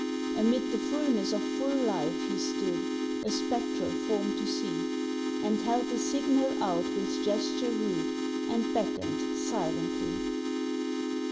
Amid the fulness of full life he stood, A spectral form to see, And held the signal out with gesture rude And beckoned silently.